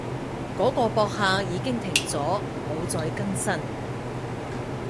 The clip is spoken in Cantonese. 嗰個博客已經停咗，冇再更新